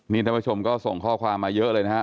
นี่ท่านผู้ชมก็ส่งข้อความมาเยอะเลยนะครับ